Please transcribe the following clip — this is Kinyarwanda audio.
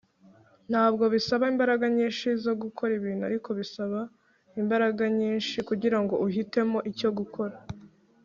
ntabwo bisaba imbaraga nyinshi zo gukora ibintu, ariko bisaba imbaraga nyinshi kugirango uhitemo icyo gukora